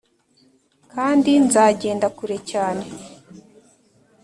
kandi nzagenda kure cyane